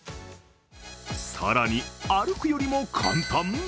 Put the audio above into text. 更に、歩くよりも簡単？